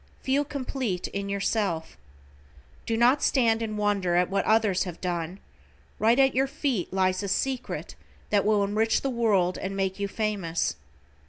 Feel complete in yourself. Do not stand in wonder at what others have done, right at your feet lies a secret that will enrich the world and make you famous.